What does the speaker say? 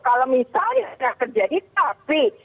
kalau misalnya sudah terjadi tapi